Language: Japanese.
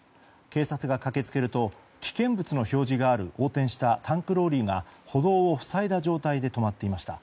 警察が駆け付けると危険物の表示があるタンクローリーが歩道を塞いだ状態で止まっていました。